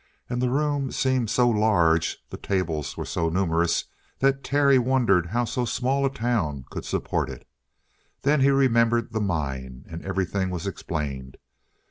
And the room seemed so large, the tables were so numerous, that Terry wondered how so small a town could support it. Then he remembered the mine and everything was explained.